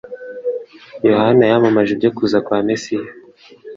Yohana yamamaje ibyo kuza kwa Mesiya,